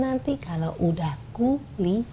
itu bapak udah pulang